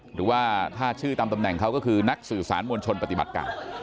หรือว่าถ้าชื่อตามตำแหน่งเขาก็คือนักสื่อสารมวลชนปฏิบัติการ